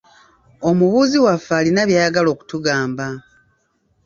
Omubuuzi waffe alina by'ayagala okutugamba.